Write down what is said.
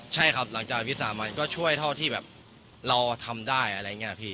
ใช่ครับหลังจากวิสามันก็ช่วยเท่าที่แบบเราทำได้อะไรอย่างนี้พี่